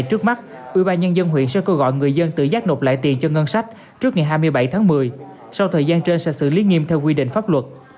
trước mắt ubnd huyện sẽ kêu gọi người dân tự giác nộp lại tiền cho ngân sách trước ngày hai mươi bảy tháng một mươi sau thời gian trên sẽ xử lý nghiêm theo quy định pháp luật